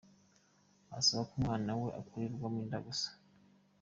asaba ko umwana we akurirwamo inda gusa.